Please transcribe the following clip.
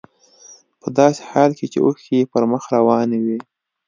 په داسې حال کې چې اوښکې يې پر مخ روانې وې.